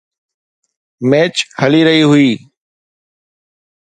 Match هلي رهي هئي.